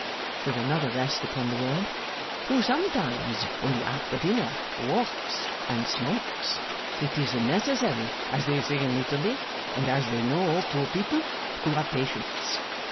with another rest upon the word, 'who sometimes in the after dinner, walks, and smokes. It is necessary, as they say in Italy (and as they know, poor people), to have patience.